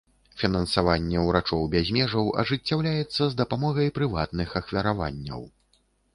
Фінансаванне ўрачоў без межаў ажыццяўляецца з дапамогай прыватных ахвяраванняў.